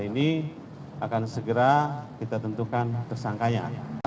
ini akan segera kita tentukan tersangkanya